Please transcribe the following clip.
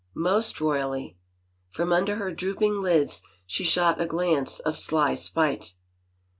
" Most royally." From under her drooping lids she shot a glance of sly spite.